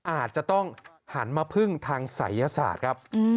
อาจจะต้องหันมาพึ่งทางศัยศาสตร์ครับ